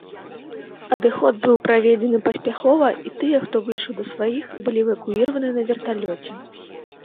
Адыход быў праведзены паспяхова і тыя, хто выйшаў да сваіх былі эвакуіраваны на верталёце.